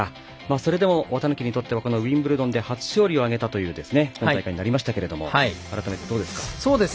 それでも綿貫にとってはウィンブルドンで初勝利を挙げたという大会になりましたが改めてどうですか？